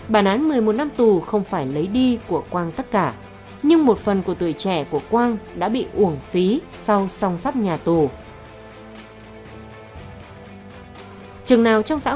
bà nán mời quý vị xem video này